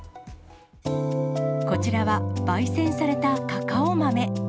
こちらは、ばい煎されたカカオ豆。